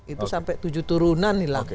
itu sampai tujuh turunan hilang